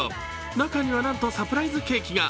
中にはなんとサプライズケーキが。